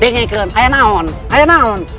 deng air kecil air naon air naon